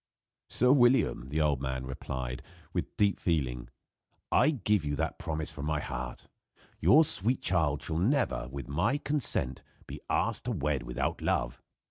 "Sir William," the old man replied, with deep feeling, "I give you that promise from my heart. Your sweet child shall never, with my consent be asked to wed without love.